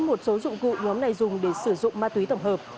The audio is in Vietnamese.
một số dụng cụ nhóm này dùng để sử dụng ma túy tổng hợp